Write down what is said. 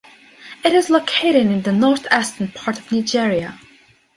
It is located in the North Eastern part of Nigeria.